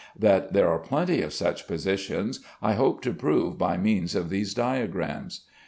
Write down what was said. That there are plenty of such positions I hope to prove by means of these diagrams.